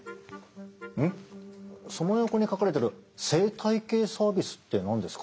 その横に書かれてる「生態系サービス」って何ですか？